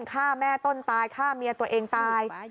ฆ่าแม่ต้นตายฆ่าเมียตัวเองตาย